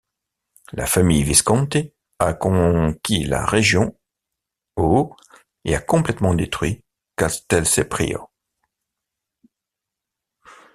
La famille Visconti a conquis la région au et a complètement détruit Castelseprio.